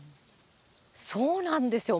そうなんですよ。